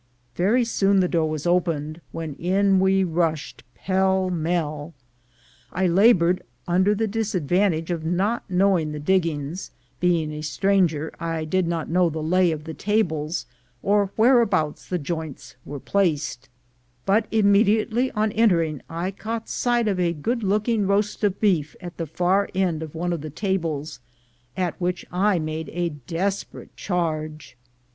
Very soon the door was opened, when in we rushed pell mell. I labored under the disadvantage of not knowing the diggings; being a stranger, I did not know the lay of the tables, or whereabouts the joints were placed; but im mediately on entering I caught sight of a good look ing roast of beef at the far end of one of the tables, GOLD IS WHERE YOU FIND IT 171 at which I made a desperate charge.